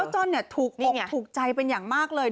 เจ้าจ้อนขอบถูกใจเป็นอย่างมากเลย